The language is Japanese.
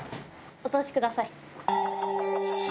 お通しください。